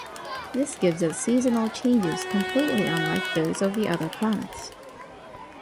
This gives it seasonal changes completely unlike those of the other planets.